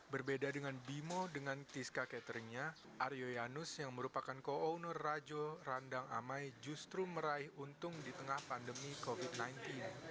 berbeda dengan bimo dengan tiska cateringnya aryo yanus yang merupakan co owner rajo randang amai justru meraih untung di tengah pandemi covid sembilan belas